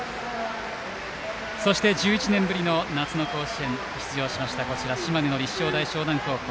そして１１年ぶりの夏の甲子園に出場しました島根の立正大淞南高校。